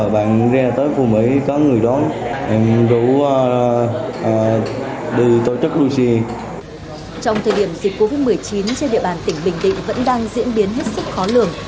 vẫn đang diễn biến hết sức khó lường